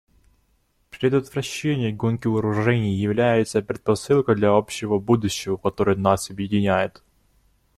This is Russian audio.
Предотвращение гонки вооружений является предпосылкой для общего будущего, которое нас объединяет.